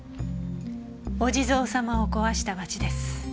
お地蔵様を壊したバチです。